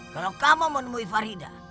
kalau kamu menemui faridah